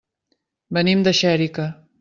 Venim de Xèrica.